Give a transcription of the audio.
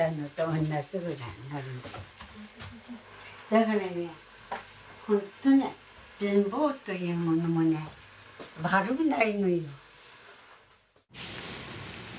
だからねほんとに貧乏というものもね悪くないのよ。